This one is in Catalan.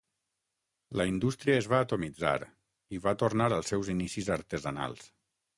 La indústria es va atomitzar i va tornar als seus inicis artesanals.